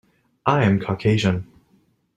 I am Caucasian.